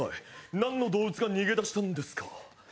なんの動物が逃げ出したんですか？